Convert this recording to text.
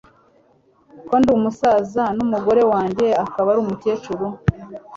ko ndi umusaza n'umugore wanjye akaba ari umukecuru